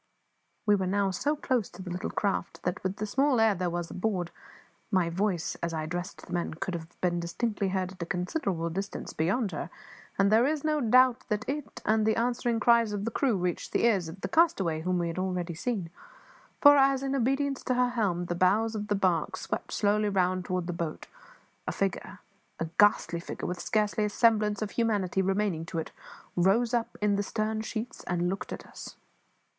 We were now so close to the little craft that, with the small air there was abroad, my voice, as I addressed the men, could have been distinctly heard at a considerable distance beyond her; and there is no doubt that it and the answering cries of the crew reached the ears of the castaway whom we had already seen; for as, in obedience to her helm, the bows of the barque swept slowly round towards the boat, a figure a ghastly figure, with scarce a semblance of humanity remaining to it rose up in the stern sheets and looked at us.